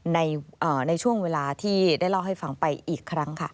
ในช่วงเวลาที่ได้เล่าให้ฟังไปอีกครั้งค่ะ